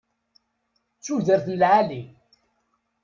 D tudert n lɛali.